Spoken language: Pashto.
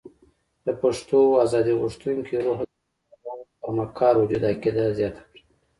د پښتنو ازادي غوښتونکي روح د فرنګ پر مکار وجود عقیده زیاته کړه.